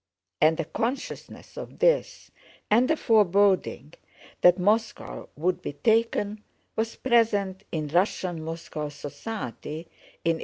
And a consciousness of this, and a foreboding that Moscow would be taken, was present in Russian Moscow society in 1812.